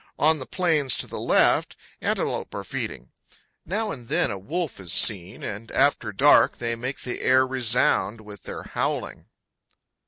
On the plains to the left, antelope are feeding. Now and then a wolf is seen, and after dark they make the air resound with their howling.